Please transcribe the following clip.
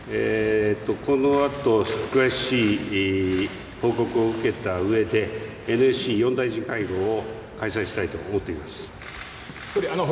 この後、詳しい報告を受けた上でＮＳＣ四大臣会合を開催したいと思います。